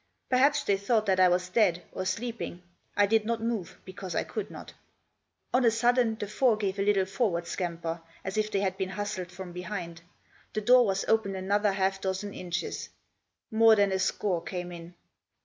Perhaps they thought that I was dead, or sleeping. I did not move, because I could not. On a sudden the four gave a little forward scamper, as if they had been hustled from behind. The door was opened another half dozen inches. More than a score came in.